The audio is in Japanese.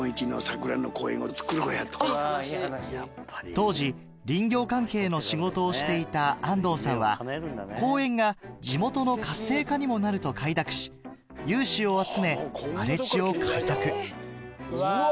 当時林業関係の仕事をしていた安藤さんは公園が地元の活性化にもなると快諾し有志を集め荒れ地を開拓